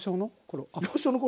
幼少の頃？